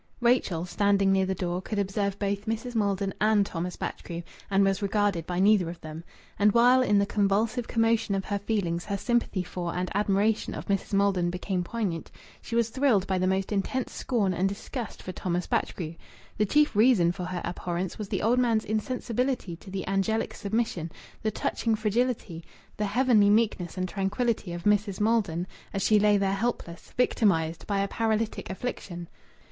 Rachel, standing near the door, could observe both Mrs. Maldon and Thomas Batchgrew, and was regarded by neither of them. And while, in the convulsive commotion of her feelings, her sympathy for and admiration of Mrs. Maldon became poignant, she was thrilled by the most intense scorn and disgust for Thomas Batchgrew. The chief reason for her abhorrence was the old man's insensibility to the angelic submission, the touching fragility, the heavenly meekness and tranquillity, of Mrs. Maldon as she lay there helpless, victimized by a paralytic affliction.